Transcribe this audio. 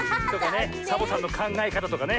サボさんのかんがえかたとかね。